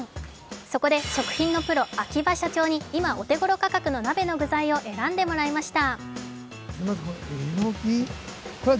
そこで、食品のプロ、秋葉社長に今、お手ごろ価格の鍋の具材を選んでもらいました。